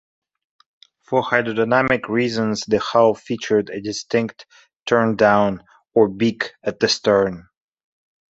For hydrodynamic reasons, the hull featured a distinct "turn-down", or "beak" at the stern.